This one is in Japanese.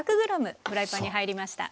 フライパンに入りました。